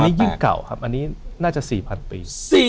อันนี้ยิ่งเก่าครับอันนี้น่าจะ๔๐๐ปี